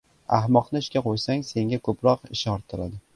• Ahmoqni ishga qo‘ysang, senga ko‘proq ish orttiradi.